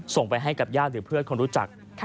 ส่งไปให้กับญาติหรือเพื่อนคนรู้จัก